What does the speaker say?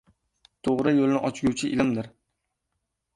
— To‘g‘ri yo‘lni ochguvchi ilmdir.